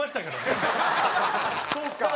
そうか。